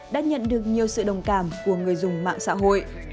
đã nhận được nhiều sự đồng cảm của người dùng mạng xã hội